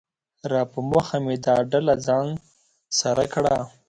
راپه مخه مې دا ډله ځان سره کړه